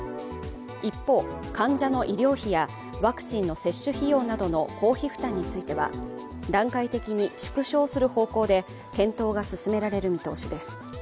一方、患者の医療費やワクチンの接種費用などの公費負担については、段階的に縮小する方向で検討が進められる見通しです。